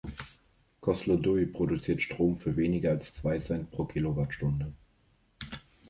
Kozloduy produziert Strom für weniger als zwei Cent pro Kilowattstunde.